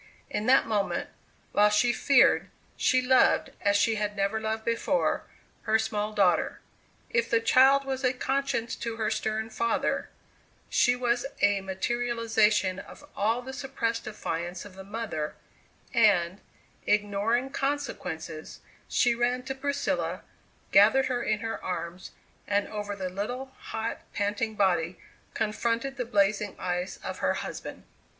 In that moment, while she feared, she loved, as she had never loved before, her small daughter. If the child was a conscience to her stern father, she was a materialization of all the suppressed defiance of the mother, and, ignoring consequences, she ran to Priscilla, gathered her in her arms, and over the little, hot, panting body, confronted the blazing eyes of her husband.